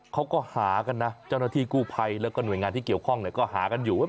เขาก็หากันนะเจ้าหน้าที่กู้ภัยแล้วก็หน่วยงานที่เกี่ยวข้องเนี่ยก็หากันอยู่ว่า